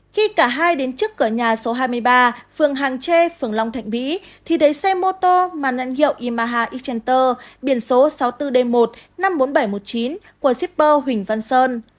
khi cả hai đến trước cửa nhà số hai mươi ba phường hàng chê phường long thạnh mỹ thì thấy xe mô tô màn nhãn hiệu y maha ichenter biển số sáu mươi bốn d một năm mươi bốn nghìn bảy trăm một mươi chín của shipper huỳnh văn sơn